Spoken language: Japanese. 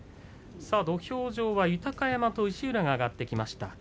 土俵上は豊山と石浦が上がってきました。